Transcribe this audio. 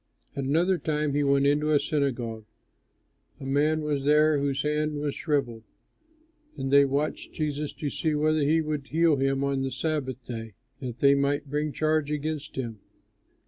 At another time he went into a synagogue. A man was there whose hand was shrivelled. And they watched Jesus to see whether he would heal him on the Sabbath day, that they might bring a charge against him.